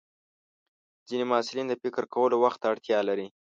ځینې محصلین د فکر کولو وخت ته اړتیا لري.